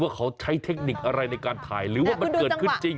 ว่าเขาใช้เทคนิคอะไรในการถ่ายหรือว่ามันเกิดขึ้นจริง